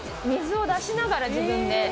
水を出しながら自分で。